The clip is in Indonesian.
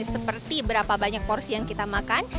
seperti berapa banyak porsi yang kita makan